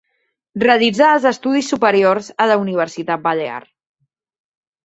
Realitzà els estudis superiors a la Universitat Balear.